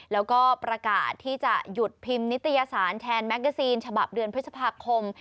แล้วก็ประกาศที่จะหยุดพิมพ์นิตยสารแทนแมกกาซีนฉบับเดือนพฤษภาคม